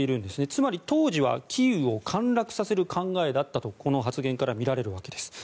つまり当時はキーウを陥落させる考えだったとこの発言からみられるわけです。